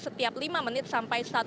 setiap lima menit sampai satu jam sekali